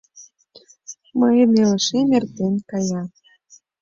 Мыйын илышем эртен кая